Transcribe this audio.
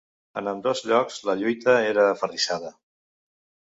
En ambdós llocs la lluita era aferrissada.